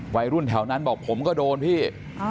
วัยรุ่นแถวนั้นบอกผมก็โดนพี่